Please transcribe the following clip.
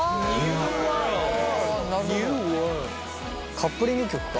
カップリング曲か。